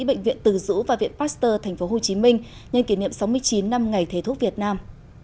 bệnh viện từ dũ và viện pasteur tp hcm nhân kỷ niệm sáu mươi chín năm ngày thầy thuốc việt nam